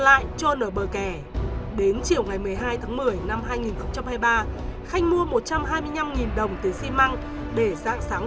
lại trôn ở bờ kè đến chiều ngày một mươi hai tháng một mươi năm hai nghìn ba khanh mua một trăm hai mươi năm đồng từ xi măng để dạng sáng